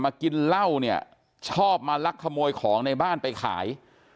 กินเหล้าเนี่ยชอบมาลักขโมยของในบ้านไปขาย